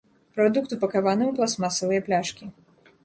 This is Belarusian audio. Прадукт упакаваны ў пластмасавыя пляшкі.